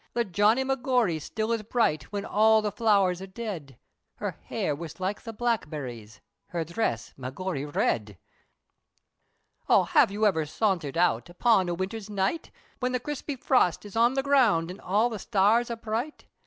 The Johnny Magory still is bright, Whin all the flowers are dead, Her hair, was like the blackberries! Her dhress, Magory red! O have you ever saunthered out Upon a winther's night, Whin the crispy frost, is on the ground, An' all the stars, are bright?